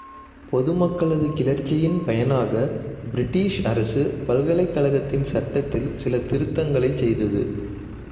பொது மக்களது கிளர்ச்சியின் பயனாக, பிரிட்டிஷ் அரசு பல்கலைக் கழகத்தின் சட்டத்தில் சில திருத்தங்களைச் செய்தது.